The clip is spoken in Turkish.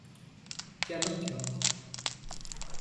Yanıt yok.